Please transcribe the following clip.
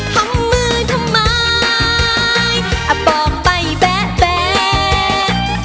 พ้อมือทำไมอ่ะบอกไปแบะแบะ